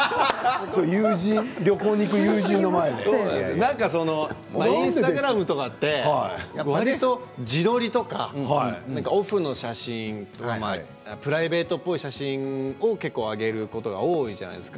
友人の前でインスタグラムでわりと自撮りとかオフの写真でプライベートっぽい写真をあげることが多いじゃないですか。